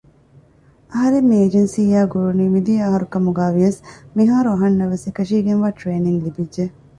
އަހަރެން މި އެޖެންސީއާ ގުޅުނީ މިދިޔަ އަހަރު ކަމުގައިވިޔަސް މިހާރު އަހަންނަށްވެސް އެކަށީގެންވާ ޓްރެއިނިންގް ލިބިއްޖެ